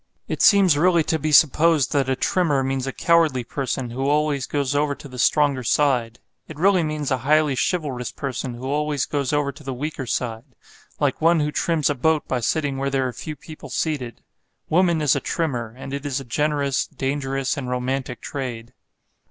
It seems really to be supposed that a Trimmer means a cowardly person who always goes over to the stronger side. It really means a highly chivalrous person who always goes over to the weaker side; like one who trims a boat by sitting where there are few people seated. Woman is a trimmer; and it is a generous, dangerous and romantic trade.